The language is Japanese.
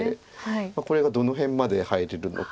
これがどの辺まで入れるのか。